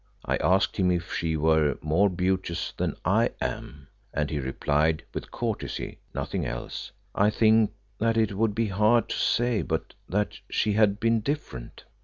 I asked him if she were more beauteous than I am, and he replied with courtesy nothing else, I think that it would be hard to say, but that she had been different.